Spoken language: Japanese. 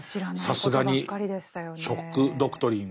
さすがに「ショック・ドクトリン」。